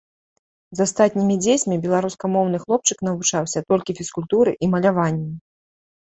З астатнімі дзецьмі беларускамоўны хлопчык навучаўся толькі фізкультуры і маляванню.